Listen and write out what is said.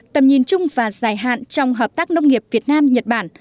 tầm nhìn chung và dài hạn trong hợp tác nông nghiệp việt nam nhật bản